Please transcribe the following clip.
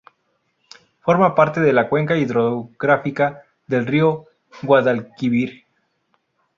Forma parte de la cuenca hidrográfica del río Guadalquivir.